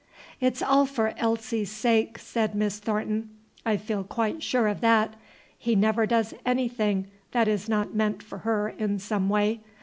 "It's all for Elsie's sake," said Miss Thornton. "I feel quite sure of that. He never does anything that is not meant for her in some way.